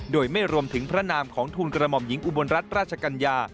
โดยไม่รวมถึงพระนามของทูลกระหม่อมหญิงอุบลรัฐราชกัญญา